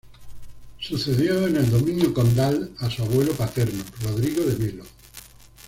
Sucedió en el dominio condal a su abuelo paterno, Rodrigo de Melo.